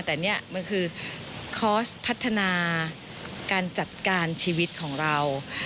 แต่นี่มันคือคอร์สพัฒนาการจัดการชีวิตของเรา